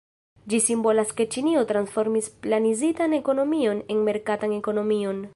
Ĝi simbolas ke Ĉinio transformis planizitan ekonomion en merkatan ekonomion.